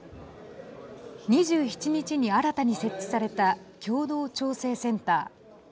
２７日に新たに設置された共同調整センター。